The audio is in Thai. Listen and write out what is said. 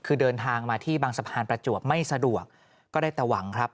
คือเดินทางมาที่บางสะพานประจวบไม่สะดวกก็ได้แต่หวังครับ